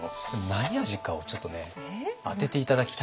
何味かをちょっとね当てて頂きたいんですよ。